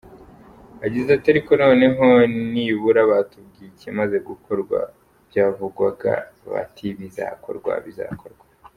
Yagize ati “Ariko noneho nibura batubwiye ikimaze gukorwa, byavugwaga bati bizakorwa, bizakorwa,….